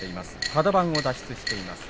カド番を脱出しています。